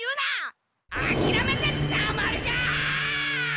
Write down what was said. あきらめてたまるか！